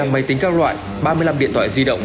một mươi năm máy tính các loại ba mươi năm điện thoại di động